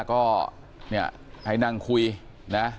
ก็เนี่ยให้นั่งคุยนะ